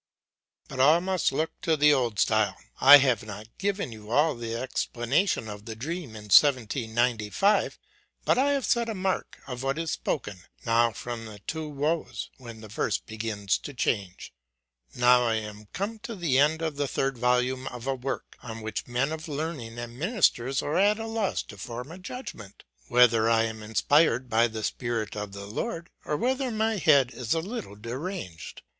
But all must look to the old style. I have not giv en you all the' explanation of the dream in 17Q5 ; but I have set a mark of. what is spoken now from the two woes, when the verse begins to change. Now I am come to the end of the third volume of a work, on which men of learning and ministers are at a loss to form a judgment, whether I am inspired by the Spirit of the Lord, or whether my head is a little deranged.